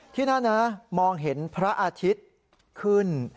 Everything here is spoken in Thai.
ที่นั่นนะมองเห็นพระอาทิตย์ขึ้น